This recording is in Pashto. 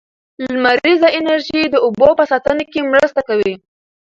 لمریزه انرژي د اوبو په ساتنه کې مرسته کوي.